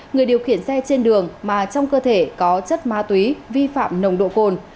người điều khiển xe trên đường mà trong cơ thể có chất ma túy vi phạm nồng độ cồn